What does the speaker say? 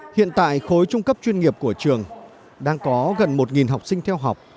hiện tại khối trung cấp chuyên nghiệp của trường đang có gần một học sinh theo học